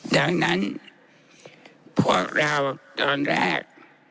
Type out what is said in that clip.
ดังนั้นพวกเราตอนแรก